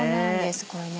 これね